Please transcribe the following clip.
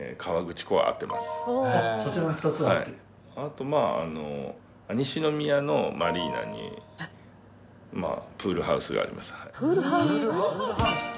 あとまあ西宮のマリーナにプールハウスがありますはい。